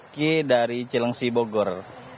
ki dari cilengsi bogor